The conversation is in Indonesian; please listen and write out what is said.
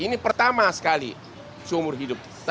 ini pertama sekali seumur hidup